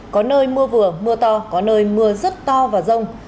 có nơi mưa vừa mưa to có nơi mưa rất to và rông